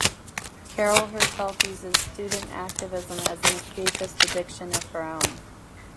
Carol herself uses student activism as an escapist addiction of her own.